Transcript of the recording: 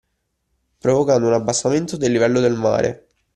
Provocando un abbassamento del livello del mare